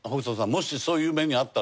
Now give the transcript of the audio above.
もしそういう目に遭ったら。